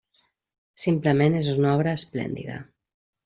Simplement és una obra esplèndida.